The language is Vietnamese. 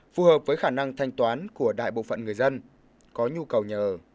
phù hợp với khả năng thanh toán của đại bộ phận người dân có nhu cầu nhà ở